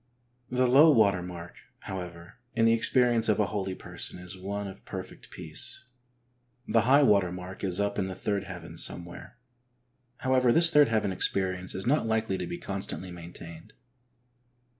The low water mark, however, in the ex perience of a holy person is one of perfect peace — the high water mark is up in the third heaven somewhere ; however, this third heaven experience is not likely to be constantly maintained.